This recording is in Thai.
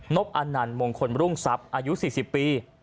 บอลันมงคลรุ่งทรัพย์อายุ๔๐ปี